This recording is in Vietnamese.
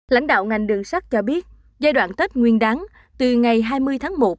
lãnh đạo ngành đường sắt cho biết giai đoạn tết nguyên đáng từ ngày hai mươi tháng một